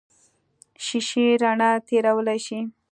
شیشې رڼا تېرولی شي.